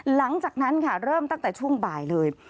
หลังจากนั้นค่ะเริ่มตั้งแต่ช่วงบ่ายเลย